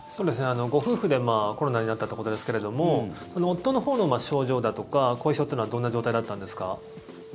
ご夫婦でコロナになったということですけれども夫のほうの症状だとか後遺症というのはどんな状態だったんですか？